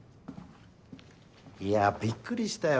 いやびっくりしたよ